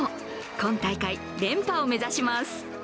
今大会、連覇を目指します。